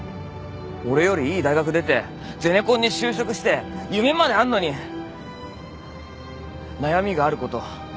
俺よりいい大学出てゼネコンに就職して夢まであんのに悩みがあること。